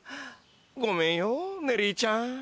ごめんよネリーちゃん。